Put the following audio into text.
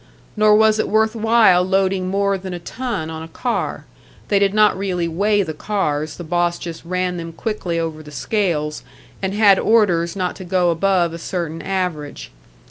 Nor was it worth while loading more than a ton on a car; they did not really weigh the cars, the boss just ran them quickly over the scales, and had orders not to go above a certain average.